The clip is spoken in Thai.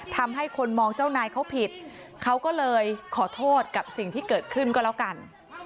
ทำให้คนมองเจ้านายเขาผิดเขาก็เลยขอโทษกับสิ่งที่เกิดขึ้นก็แล้วกัน